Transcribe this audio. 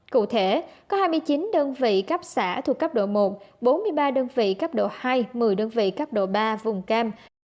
cụ thể có hai mươi chín đơn vị cấp xã thuộc cấp độ một bốn mươi ba đơn vị cấp độ hai một mươi đơn vị cấp độ ba vùng cam